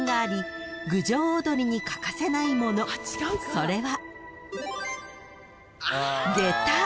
［それは］